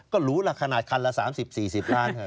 ก็หรูละขนาดคันละ๓๐๔๐ล้านเห